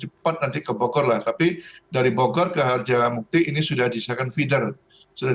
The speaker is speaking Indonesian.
cepat nanti ke bogor lah tapi dari bogor ke harjamukti ini sudah disiapkan feeder sudah